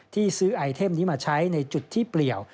ที่ซื้อไอเทมนี้มาใช้ในจุดที่เปลี่ยว